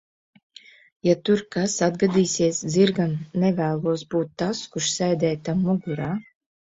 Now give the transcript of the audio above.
Ja tur kas atgadīsies zirgam, nevēlos būt tas, kurš sēdēja tam mugurā.